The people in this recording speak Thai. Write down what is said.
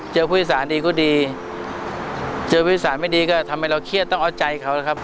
ผู้โดยสารดีก็ดีเจอผู้โดยสารไม่ดีก็ทำให้เราเครียดต้องเอาใจเขานะครับ